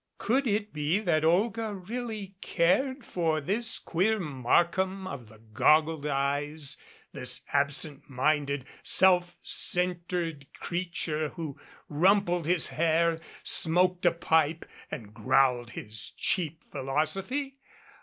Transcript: Could it be that Olga really cared for this queer Markham of the goggled eyes, this absent minded, self centered creature, who rumpled his hair 3 20 THE INEFFECTUAL AUNT smoked a pipe and growled his cheap philosophy?